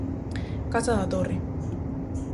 Casa da Torre.